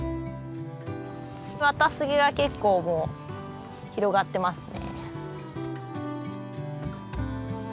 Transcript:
ワタスゲが結構もう広がってますね。